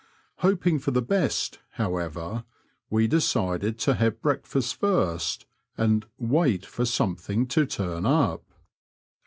Hoping for the best, however, we decided to have breakfast first and " wait for something to turn up."